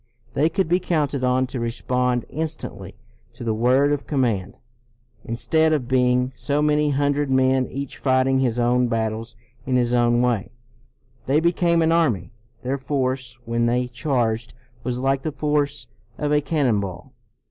They could be counted on to respond instantly to the word of command. Instead of being so many hundred men each fighting his own battles in his own way, they became an army. Their force when they charged was like the force of a cannon ball.